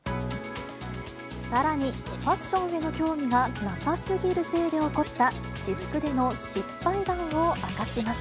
さらに、ファッションへの興味がなさすぎるせいで起こった私服での失敗談